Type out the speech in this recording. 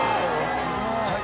はい。